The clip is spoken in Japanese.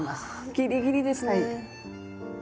ギリギリですね。